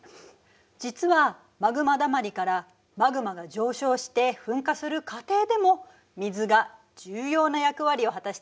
実はマグマだまりからマグマが上昇して噴火する過程でも水が重要な役割を果たしているのよ。